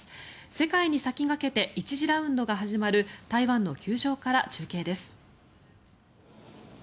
世界に先駆けて１次ラウンドが始まる台湾の球場から中継です。